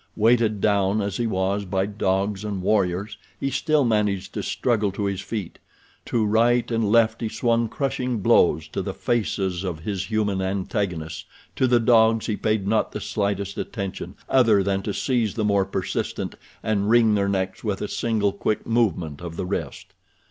Weighted down as he was by dogs and warriors he still managed to struggle to his feet. To right and left he swung crushing blows to the faces of his human antagonists—to the dogs he paid not the slightest attention other than to seize the more persistent and wring their necks with a single quick movement of the wrist.